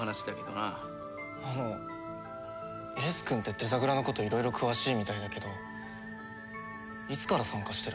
あの英寿くんってデザグラのこといろいろ詳しいみたいだけどいつから参加してるの？